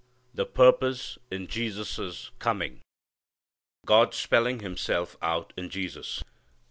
The Purpose in Jesus' Coming God Spelling Himself out in Jesus.